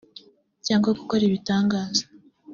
cyangwa gukora ibitangaza